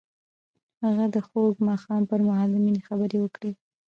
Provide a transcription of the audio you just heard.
هغه د خوږ ماښام پر مهال د مینې خبرې وکړې.